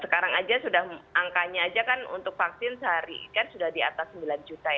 sekarang saja sudah angkanya untuk vaksin sehari sudah di atas sembilan juta